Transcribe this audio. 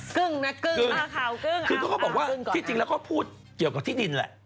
กึ้งนะกึ้งคือเขาก็บอกว่าที่จริงแล้วเขาพูดเกี่ยวกับที่ดินแหละ